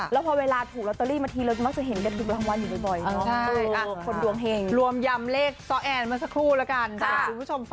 แล้วเวลาถูกเลยเลยก็จะเห็นกันจะบางอยู่บ่อย